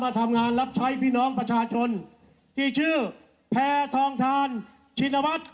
ทำงานรับใช้พี่น้องประชาชนที่ชื่อแพทองทานชินวัฒน์